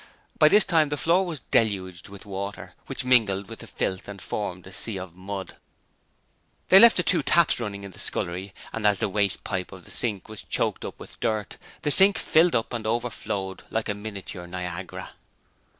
By this time the floor was deluged with water, which mingled with the filth and formed a sea of mud. They left the two taps running in the scullery and as the waste pipe of the sink was choked up with dirt, the sink filled up and overflowed like a miniature Niagara.